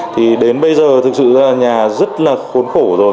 thì đến bây giờ thực sự là nhà rất là khốn khổ rồi